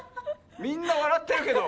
みんなわらってるけど。